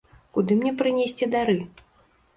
Куды мне прынесці дары?